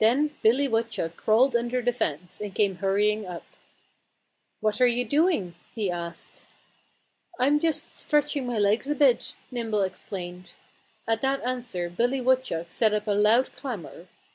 Then Billy Woodchuck crawled under the fence and came hurrying up. "What are you doing?" he asked. "I'm just stretching my legs a bit," Nimble explained. At that answer Billy Woodchuck set up a loud clamor.